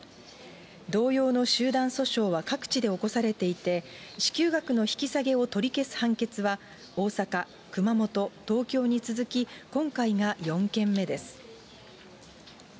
同様の集団訴訟は各地で起こされていて、支給額の引き下げを取り消す判決は、大阪、熊本、東京に続き、今回が４件目です。